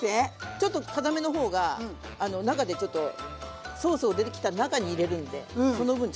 ちょっとかためのほうが中でちょっとソースを出来た中に入れるんでその分ちょっと。